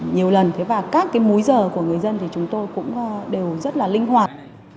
nhiều lần thế và các cái múi giờ của người dân thì chúng tôi cũng đều rất là linh hoạt